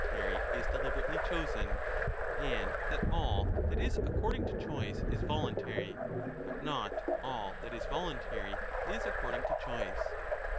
lo 1226^ tary is deliberately chosen, and that all that is according to 35 choice is voluntary, but not all that is voluntary is according to choice.